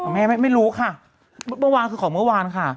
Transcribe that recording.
แม่ไม่รู้ค่ะเมื่อวานคือของเมื่อวานค่ะ